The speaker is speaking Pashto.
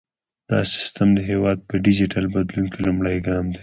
دا سیستم د هیواد په ډیجیټل بدلون کې لومړی ګام دی۔